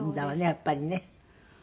やっぱりね。